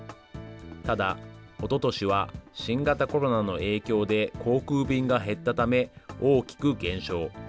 ただ、おととしは新型コロナの影響で、航空便が減ったため、大きく減少。